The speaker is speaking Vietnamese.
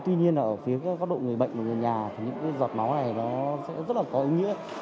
tuy nhiên ở phía các đội người bệnh người nhà thì những giọt máu này sẽ rất là có ý nghĩa